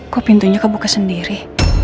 kok pintunya kebuka sendiri